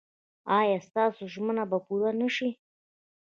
ایا ستاسو ژمنه به پوره نه شي؟